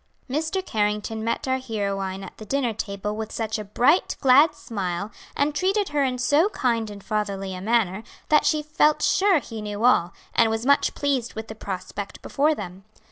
Mr. Carrington met our heroine at the dinner table with such a bright, glad smile, and treated her in so kind and fatherly a manner that she felt sure he knew all, and was much pleased with the prospect before them.